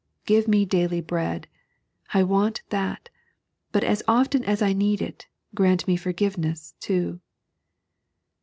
" Give me daily bread — I want that ; but as often as I need it, grant forgiveness too."